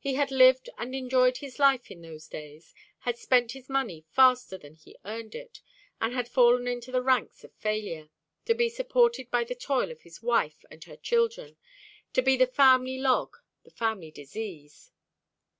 He had lived and enjoyed his life in those days, had spent his money faster than he earned it, and had fallen into the ranks of failure, to be supported by the toil of his wife and her children, to be the family log, the family disease.